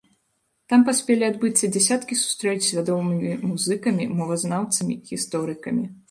Там паспелі адбыцца дзясяткі сустрэч з вядомымі музыкамі, мовазнаўцамі, гісторыкамі.